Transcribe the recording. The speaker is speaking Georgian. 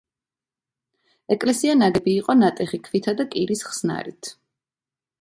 ეკლესია ნაგები იყო ნატეხი ქვითა და კირის ხსნარით.